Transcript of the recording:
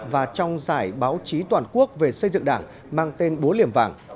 và trong giải báo chí toàn quốc về xây dựng đảng mang tên búa liềm vàng